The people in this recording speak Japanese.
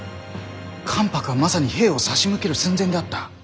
関白はまさに兵を差し向ける寸前であった。